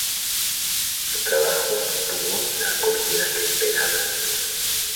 Su trabajo no tuvo la acogida que esperaba.